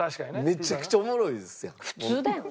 めちゃくちゃおもろいですやん。